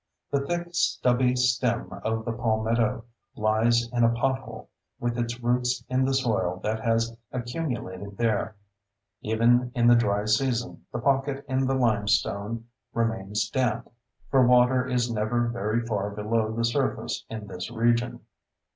The thick, stubby stem of the palmetto lies in a pothole, with its roots in the soil that has accumulated there; even in the dry season the pocket in the limestone remains damp, for water is never very far below the surface in this region.